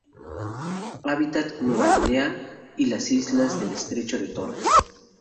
Habita Nueva Guinea y las islas del estrecho de Torres.